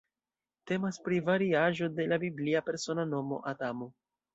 Temas pri variaĵo de la biblia persona nomo Adamo.